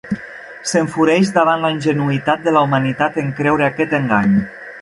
S'enfureix davant la ingenuïtat de la humanitat en creure aquest engany.